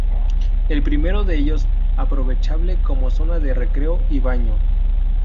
El primero de ellos aprovechable como zona de recreo y baño.